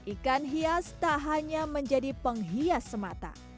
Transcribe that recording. ikan hias tak hanya menjadi penghias semata